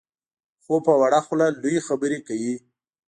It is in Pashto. خو په وړه خوله لویې خبرې کوي.